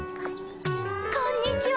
こんにちは。